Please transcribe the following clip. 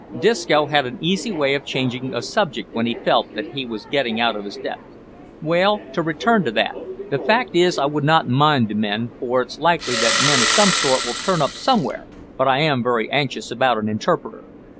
Disco had an easy way of changing a subject when he felt that he was getting out of his depth. "Well, to return to that. The fact is, I would not mind the men, for it's likely that men of some sort will turn up somewhere, but I am very anxious about an interpreter.